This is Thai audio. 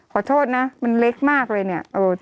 ขอโทษนะมันเล็กมากเลยเนี่ย